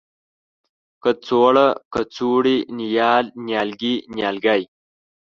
کڅوړه ، کڅوړې ،نیال، نيالګي، نیالګی